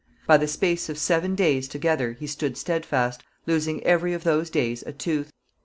By the space of seaun daies together he stood stedfast, losing euerie of those days a tooth.